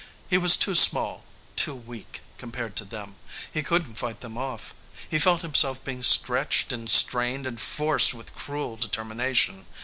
He was too small, too weak, compared to them. He couldn't fight them off. He felt himself being stretched and strained and forced with cruel determination.